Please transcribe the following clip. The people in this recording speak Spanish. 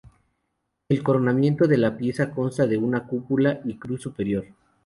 El coronamiento de la pieza consta de una cúpula y cruz superior.